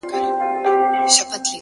• له وړو او سترو لویو نهنګانو ,